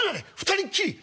２人っきり！